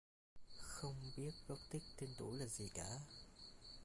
Không biết gốc tích tên tuổi là gì cả